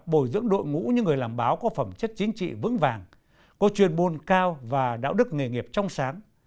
bồi dưỡng đội ngũ như người làm báo có phẩm chất chính trị vững vàng có truyền bôn cao và đạo đức nghề nghiệp trong sáng